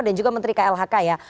dan juga menteri klhk ya